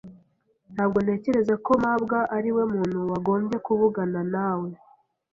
Ntabwo ntekereza ko mabwa ariwe muntu wagombye kuvugana nawe.